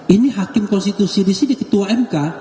ini hakim konstitusi di sini ketua mk